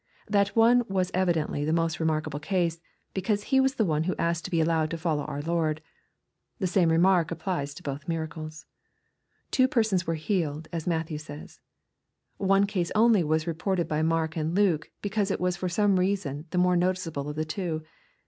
That ono was evidently the most remarkable case, because he was the one who asked to be allowed to follow our Lord. — The same remark applies to both miracles. Two persons were healed, as Matthew says. One case only was reported by Mark and Luke, because it was for some reason the more noticeable of the two.